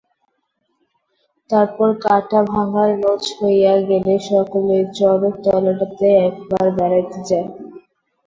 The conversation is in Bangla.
তারপর কাঁটা-ভাঙার নোচ হইয়া গেলে সকলে চড়কতলাটাতে একবার বেড়াইতে যায়।